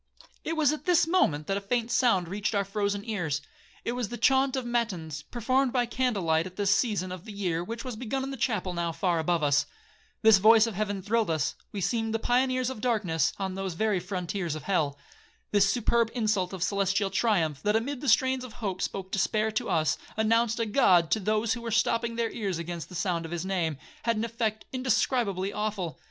'It was at this moment that a faint sound reached our frozen ears;—it was the chaunt of matins, performed by candlelight at this season of the year, which was begun in the chapel now far above us. This voice of heaven thrilled us,—we seemed the pioneers of darkness, on the very frontiers of hell. This superb insult of celestial triumph, that amid the strains of hope spoke despair to us, announced a God to those who were stopping their ears against the sound of his name, had an effect indescribably awful.